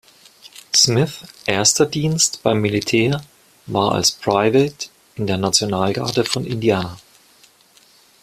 Smiths erster Dienst beim Militär war als Private in der Nationalgarde von Indiana.